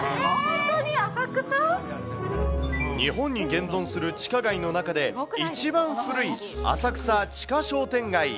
日本に現存する地下街の中で、一番古い浅草地下商店街。